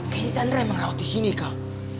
kayaknya tandra emang rawat di sini kal